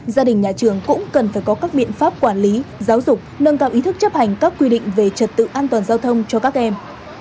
gia đình nhà trường cũng cần phải có các biện pháp quản lý giáo dục nâng cao ý thức chấp hành các quy định về trật tự an toàn giao thông cho các em